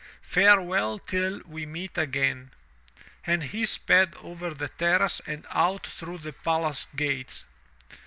Farewell till we meet again.' And he sped over the terrace and out through the palace gates.